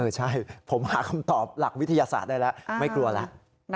ใช่ผมหาคำตอบหลักวิทยาศาสตร์ได้แล้วไม่กลัวแล้ว